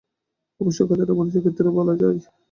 অবশ্য কথাটা মানুষের ক্ষেত্রেও বলা যায়।